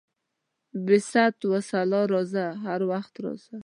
بې ست وسلا راځه، هر وخت راځه.